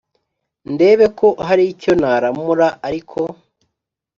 ndebe ko hari icyo naramura Ariko